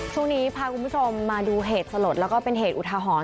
ช่วงนี้พาคุณผู้ชมมาดูเหตุสลดแล้วก็เป็นเหตุอุทหรณ์